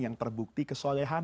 untuk membuktikan kesolehan